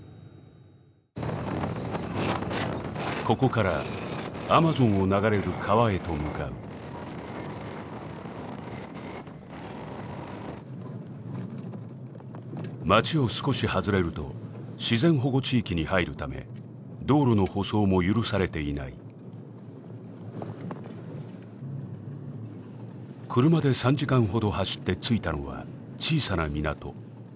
ここからアマゾンを流れる川へと向かう町を少し外れると自然保護地域に入るため道路の舗装も許されていない車で３時間ほど走って着いたのは小さな港